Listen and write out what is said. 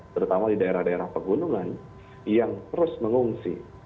terutama di daerah daerah pegunungan yang terus mengungsi